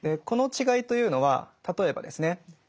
この違いというのは例えばですね